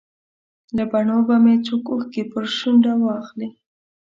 له بڼو به مې څوک اوښکې پر شونډه واخلي.